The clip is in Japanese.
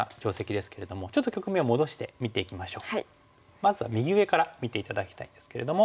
まずは右上から見て頂きたいんですけれども。